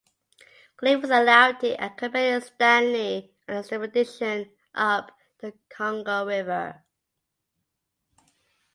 Glave was allowed to accompany Stanley on the expedition up the Congo river.